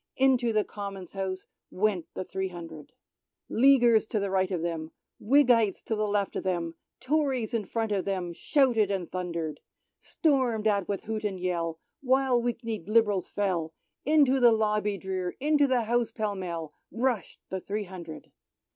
" Into the Common's House went the three hundred. Leaguers to right of them, Whiggites to left of them, Tories in front of them, shouted and thundered. Stormed at with hoot and yell, while weak kneed Lib'rals fell. Into the lobby drear, into the House pell mell, rush'd the three hundred.